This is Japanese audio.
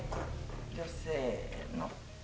せの。